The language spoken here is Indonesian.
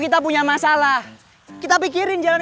kayak apa sih easier sekarang